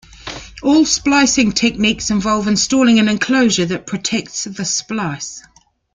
All splicing techniques involve installing an enclosure that protects the splice.